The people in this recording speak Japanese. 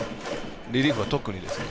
リリーフは特に。